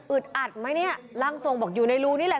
อัดไหมเนี่ยร่างทรงบอกอยู่ในรูนี่แหละ